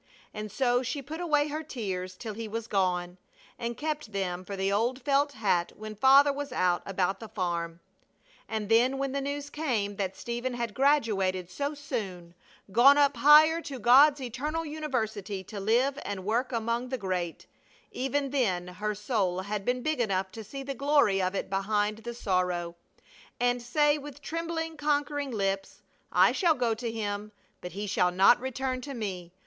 And so she put away her tears till he was gone, and kept them for the old felt hat when Father was out about the farm. And then when the news came that Stephen had graduated so soon, gone up higher to God's eternal university to live and work among the great, even then her soul had been big enough to see the glory of it behind the sorrow, and say with trembling, conquering lips: "I shall go to him, but he shall not return to me.